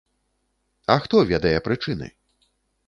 А хто ведае прычыны?